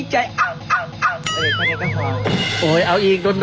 เฮ้ยเป็นไงอ่ะ